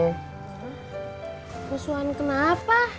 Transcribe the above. hah musuhan kenapa